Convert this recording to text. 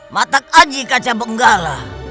matak aji kaca benggala